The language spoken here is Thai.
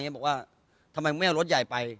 บอกว่าทำไมมึงไม่เอารถใหญ่ไป